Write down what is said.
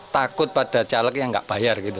takut pada caleg yang nggak bayar gitu